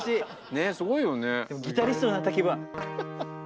ねえすごいよね。